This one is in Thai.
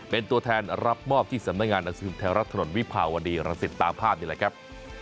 เป็นตัวแทนรับมอบที่สำนักงานหนังสือพิมพ์ไทยรัฐถนนวิภาวดีรังสิตตามภาพนี่แหละครับ